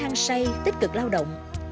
vẫn hăng say tích cực lao động